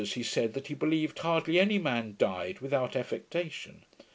'] At Dr Webster's, he said, that he believed hardly any man died without affectation.